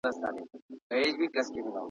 د بريا مرحله سته.